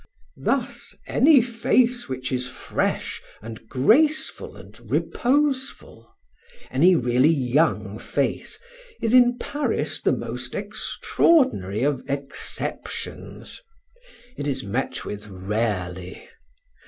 Thus, any face which is fresh and graceful and reposeful, any really young face, is in Paris the most extraordinary of exceptions; it is met with rarely.